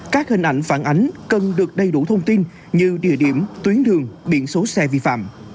các hình ảnh phản ánh cần được đầy đủ thông tin như địa điểm tuyến đường biển số xe vi phạm